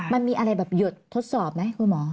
มันมีอะไรแบบหยดทดสอบไหมคุณหมอ